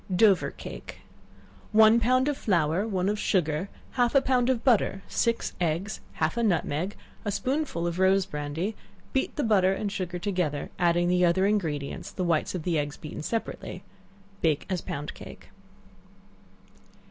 Dover Cake. One pound of flour, one of sugar, half a pound of butter, six eggs, half a nutmeg, a spoonful of rose brandy; beat the butter and sugar together, adding the other ingredients, the whites of the eggs beaten separately; bake as pound cake.